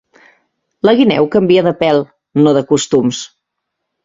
La guineu canvia de pèl, no de costums.